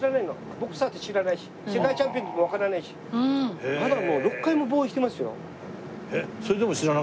ボクサーって知らないし世界チャンピオンって言ってもわからないしもう６回も防衛してますよ。